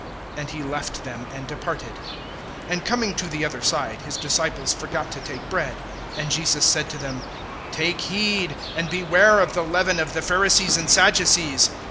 And he left them, and departed. (5)And coming to the other side, his disciples forgot to take bread. (6)And Jesus said to them: Take heed, and beware of the leaven of the Pharisees and Sadducees.